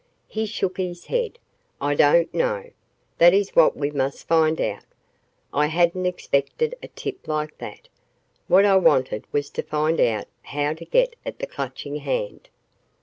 He shook his head. "I don't know. That is what we must find out. I hadn't expected a tip like that. What I wanted was to find out how to get at the Clutching Hand."